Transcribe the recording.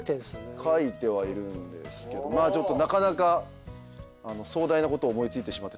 書いてはいるんですけどちょっとなかなか壮大なことを思い付いてしまって大変ですね。